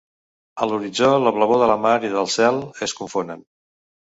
A l'horitzó la blavor de la mar i la del cel es confonen.